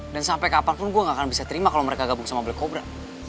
dan sampai kapan pun gue gak akan bisa terima kalau mereka gabung sama black cobra